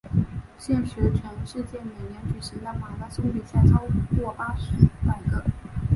现时全世界每年举行的马拉松比赛超过八百个。